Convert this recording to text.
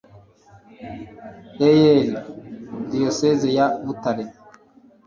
E A R Diyoseze ya Butare